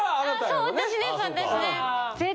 そう私です私です。